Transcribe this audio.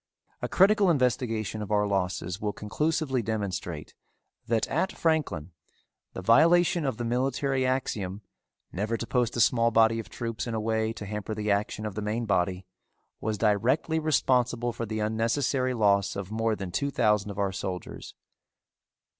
A critical investigation of our losses will conclusively demonstrate that at Franklin the violation of the military axiom never to post a small body of troops in a way to hamper the action of the main body was directly responsible for the unnecessary loss of more than two thousand of our soldiers.